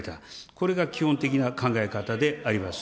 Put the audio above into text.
これが基本的な考え方であります。